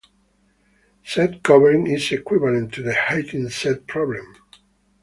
Set covering is equivalent to the hitting set problem.